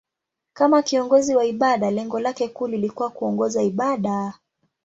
Kama kiongozi wa ibada, lengo lake kuu lilikuwa kuongoza ibada.